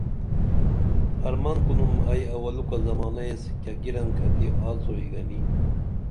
حرمن کُنُم ائی اولُکہ زمانہ ایس کیہ گِرنکھتی آڅوئی گنی